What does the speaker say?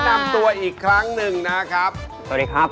นำตัวอีกครั้งหนึ่งนะครับสวัสดีครับ